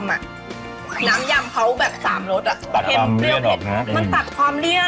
น้ำยำเขาแบบสามรสอ่ะเค็มเปรี้ยวเผ็ดนะมันตัดความเลี่ยว